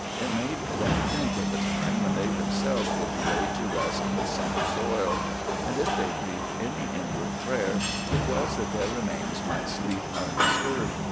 It made them think of the time when they themselves would be laid to rest in the same soil; and if they breathed any inward prayer, it was that their remains might sleep undisturbed.